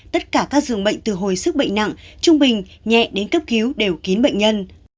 tất cả các dường bệnh từ hồi sức bệnh nặng trung bình nhẹ đến cấp cứu đều kín bệnh nhân